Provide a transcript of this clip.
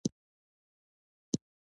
په ټولو ټولنو کې پاکي او ناپاکي مهم رول لرلو.